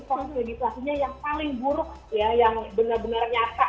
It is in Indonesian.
konsentrasinya yang paling buruk yang benar benar nyata